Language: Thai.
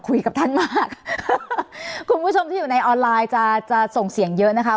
คุณผู้ชมที่อยู่ในออนไลน์จะส่งเสียงเยอะนะคะ